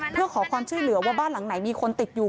เพื่อขอความช่วยเหลือว่าบ้านหลังไหนมีคนติดอยู่